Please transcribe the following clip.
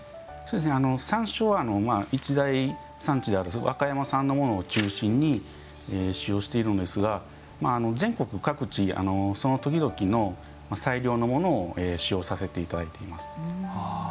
山椒は、一大産地である和歌山産のものを中心に使用しているんですが全国各地その時々の最良のものを使用させていただいています。